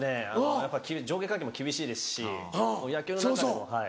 やっぱり上下関係も厳しいですし野球の中でもはい。